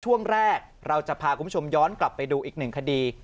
ช่วงแรกเราจะพาคุณผู้ชมย้อนกลับไปดูอีกหนึ่งคดี